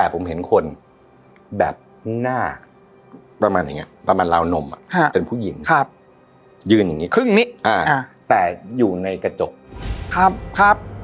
ผมเห็นคนแบบหน้าประมาณเหมือนเหมือนราวนมเป็นผู้หญิงยืนอย่างงี้แต่อยู่ในกระจก